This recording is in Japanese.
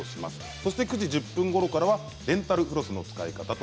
９時１０分ごろからはデンタルフロスの使い方を。